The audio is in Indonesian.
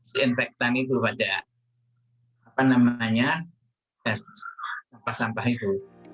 se infektan itu pada sampah itu